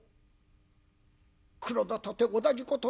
黒田とて同じこと。